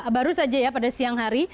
baru saja ya pada siang hari